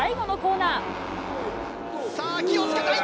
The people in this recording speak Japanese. さあ、気をつけたい。